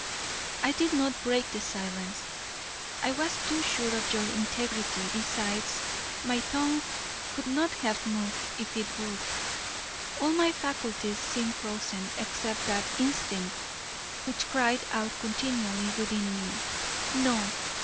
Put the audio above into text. I did not break the silence; I was too sure of your integrity; besides, my tongue could not have moved if it would; all my faculties seemed frozen except that instinct which cried out continually within me: "No!